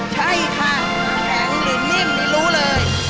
ใช่ค่ะแข็งนิ่มรู้เลย